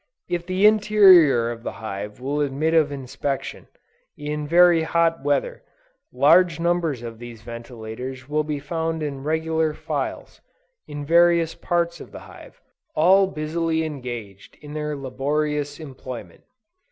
If the interior of the hive will admit of inspection, in very hot weather, large numbers of these ventilators will be found in regular files, in various parts of the hive, all busily engaged in their laborious employment.